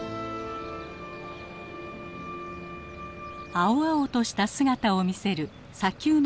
青々とした姿を見せる砂丘の中の畑。